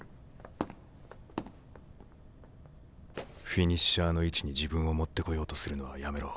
フィニッシャーの位置に自分を持ってこようとするのはやめろ。